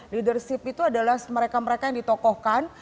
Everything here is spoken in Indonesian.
leadership itu adalah mereka mereka yang ditokohkan